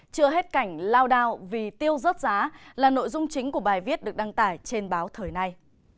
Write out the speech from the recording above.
chưa hết cảnh lao đao vì tiêu rớt giá là nội dung chính của bài viết được đăng tải trên báo thời nay